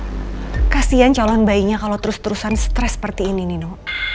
saya kasihan calon bayinya kalau terus terusan stres seperti ini nino